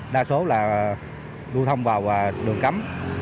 đa số là lưu thông vào đường cấm